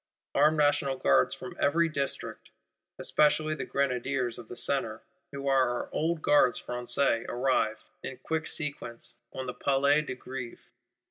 Armed National Guards from every District; especially the Grenadiers of the Centre, who are our old Gardes Françaises, arrive, in quick sequence, on the Place de Grève.